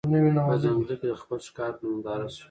په ځنګله کي د خپل ښکار په ننداره سو